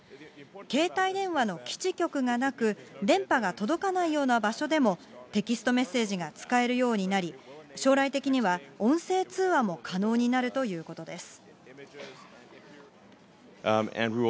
携帯電話の基地局がなく、電波が届かないような場所でもテキストメッセージが使えるようになり、将来的には音声通話も可能になるということです。